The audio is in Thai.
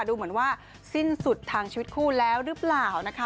ดูเหมือนว่าสิ้นสุดทางชีวิตคู่แล้วหรือเปล่านะคะ